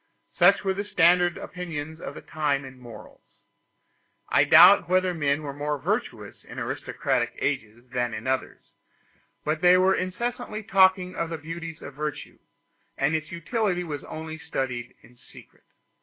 Such were the standard opinions of that time in morals. I doubt whether men were more virtuous in aristocratic ages than in others; but they were incessantly talking of the beauties of virtue, and its utility was only studied in secret.